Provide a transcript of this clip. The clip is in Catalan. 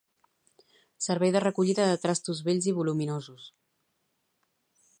Servei de recollida de trastos vells i voluminosos